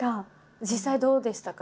実際どうでしたか？